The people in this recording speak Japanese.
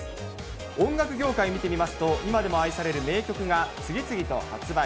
音楽業界見てみますと、今でも愛される名曲が次々と発売。